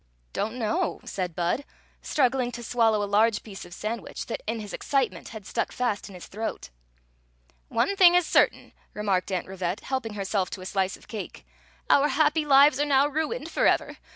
" Don't know," said Bud, struggling to swallow a ^large piece of sandwich that in his excitement had fflkk fast in his throat "One thing is certain, remarked Aunt Rivette, helping herself I a slice of cake, "our happy lives are now ruined iorever.